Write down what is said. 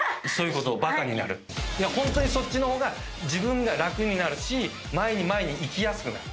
ホントにそっちの方が自分が楽になるし前に前に行きやすくなる。